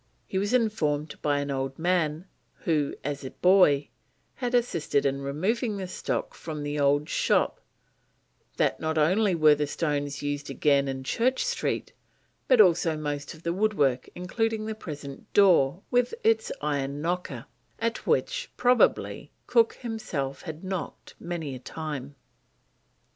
He was informed by an old man, who, as a boy, had assisted in removing the stock from the old shop, that not only were the stones used again in Church Street, but also most of the woodwork, including the present door with its iron knocker, at which, probably, Cook himself had knocked many a time.